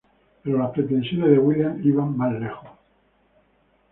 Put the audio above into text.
Pero las pretensiones de William iban más lejos.